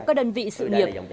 các đơn vị sự nghiệp